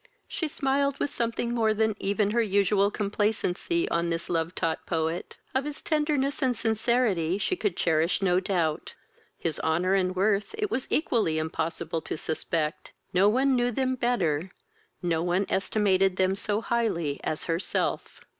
She smiled with something more than even her usual complacency on this love taught poet. Of his tenderness and sincerity she could cherish no doubt. His honour and worth it was equally impossible to suspect. No one knew them better, no one estimated them so highly as herself.